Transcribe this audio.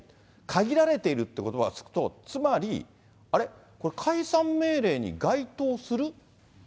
限られているということばがつくと、つまり、あれ、これ解散命令に該当する？